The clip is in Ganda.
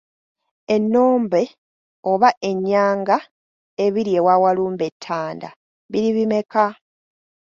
Ennombe oba ennyanga ebiri ewa Walumbe e Ttanda biri bimeka?